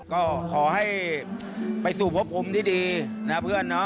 ก็ขอให้ไปสู่พบภูมิที่ดีนะเพื่อนเนาะ